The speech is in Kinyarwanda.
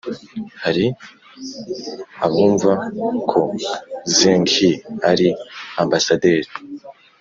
Hari abumva ko Zheng He ari ambasaderi